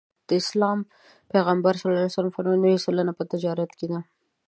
د اسلام پیغمبر ص وفرمایل نوې سلنه په تجارت کې ده.